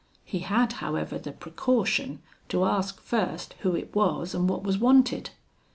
He had, however, the precaution to ask first who it was, and what was wanted?